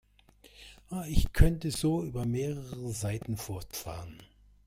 Ich könnte so über mehrere Seiten fortfahren.